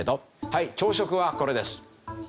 はい朝食はこれです。